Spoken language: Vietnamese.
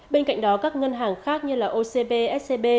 bên cạnh đó các ngân hàng khác như ocb scb